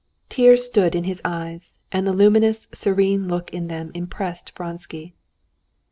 Tears stood in his eyes, and the luminous, serene look in them impressed Vronsky.